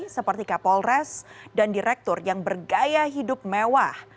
seperti kapolres dan direktur yang bergaya hidup mewah